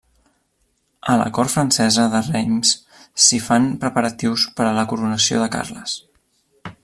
A la cort francesa de Reims s'hi fan preparatius per a la coronació de Carles.